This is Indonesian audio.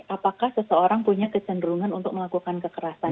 apakah seseorang punya kecenderungan untuk melakukan kekerasan